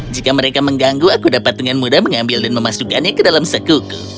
jika mereka mengganggu aku dapat dengan mudah mengambil dan memasukkannya ke dalam sekuku